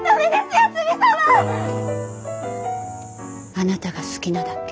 あなたが好きなだけ。